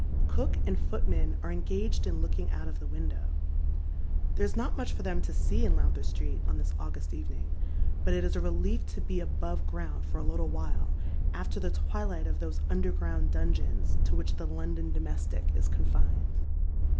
Cook and footman are engaged in looking out of the window. There is not much for them to see in Lowther Street on thia August evening, but it is a relief to be above ground for a littie wliile, after the twilight of those underground dungeons to which the London domestic is confined.